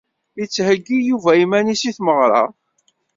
Yettheyyi Yuba iman-is i tmeɣra.